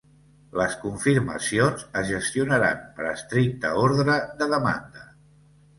Les confirmacions es gestionaran per estricte ordre de demanda.